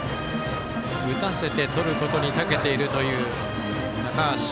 打たせてとることにたけているという高橋。